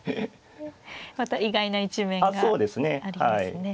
また意外な一面がありますね。